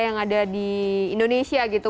yang ada di indonesia gitu